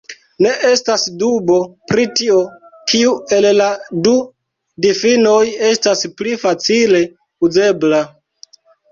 Ne estas dubo, pri tio, kiu el la du difinoj estas pli facile uzebla...